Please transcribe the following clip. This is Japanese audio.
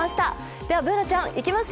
ではＢｏｏｎａちゃん、いきますよ。